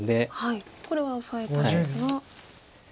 これはオサえたいですが。